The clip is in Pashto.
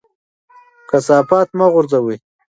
کثافات مه غورځوئ.